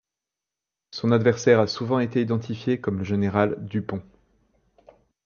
Son adversaire a souvent été identifié comme le général Dupont.